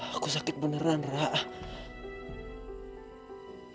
aku sakit beneran rah